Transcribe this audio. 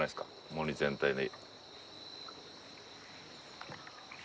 森全体に。